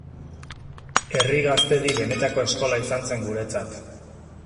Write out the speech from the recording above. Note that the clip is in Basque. Herri Gaztedi benetako eskola izan zen guretzat.